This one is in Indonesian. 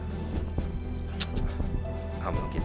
ck ah ga mungkin